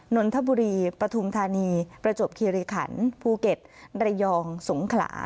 นนทบุรีปฐุมธานีประจวบคิริขันภูเก็ตระยองสงขลา